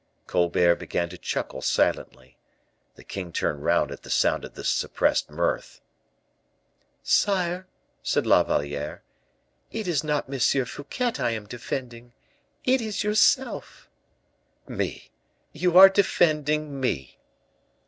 Colbert began to chuckle silently. The king turned round at the sound of this suppressed mirth. "Sire," said La Valliere, "it is not M. Fouquet I am defending; it is yourself." "Me! you are defending me?"